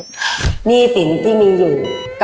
จริงจริงที่มีอยู่